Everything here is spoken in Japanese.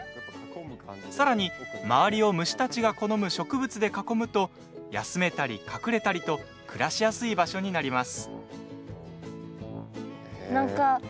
さらに周りを虫たちが好む植物で囲むと休めたり隠れたりと暮らしやすい場所になります。